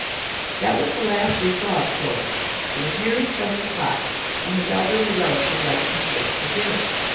That was the last they saw of Clovis; it was nearly seven o'clock, and his elderly relative liked him to dress for dinner.